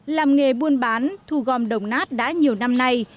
làm nghề buôn bán thu gom đồng nát đã nhiều năm nay